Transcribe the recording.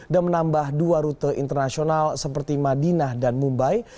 dan menambah dua rute internasional seperti madinah dan mumbai